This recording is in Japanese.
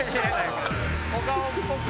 小顔っぽく？